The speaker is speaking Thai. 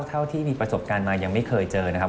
เท่าที่มีประสบการณ์มายังไม่เคยเจอนะครับ